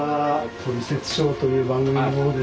「トリセツショー」という番組の者です。